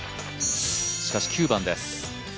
しかし、９番です。